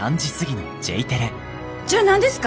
じゃあ何ですか？